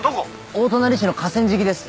大隣市の河川敷です。